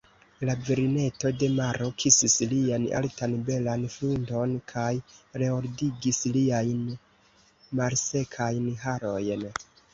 La virineto de maro kisis lian altan belan frunton kaj reordigis liajn malsekajn harojn.